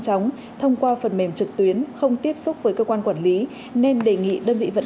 chóng thông qua phần mềm trực tuyến không tiếp xúc với cơ quan quản lý nên đề nghị đơn vị vận